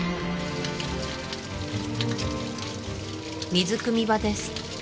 水汲み場です